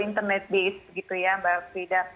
internet base gitu ya mbak frida